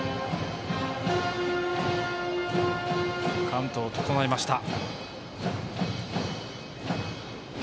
カウントを整えました。